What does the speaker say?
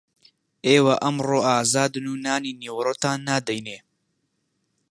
ئێوە ئەمڕۆ ئازادن و نانی نیوەڕۆتان نادەینێ